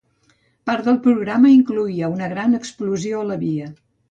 Part del programa incloïa una gran explosió a la via.